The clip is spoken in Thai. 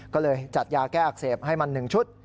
ก็เลยจัดยาแก้อักเสบให้มัน๑ชุด